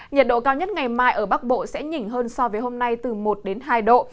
nhiệt độ cao nhất ngày mai ở bắc bộ sẽ nhỉnh hơn so với hôm nay từ một hai độ